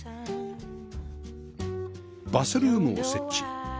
バスルームを設置